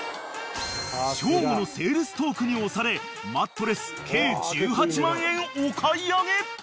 ［省吾のセールストークに押されマットレス計１８万円お買い上げ］